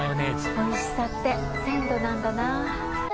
おいしさって鮮度なんだな。